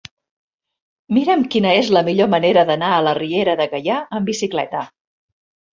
Mira'm quina és la millor manera d'anar a la Riera de Gaià amb bicicleta.